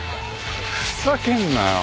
ふざけんなよ。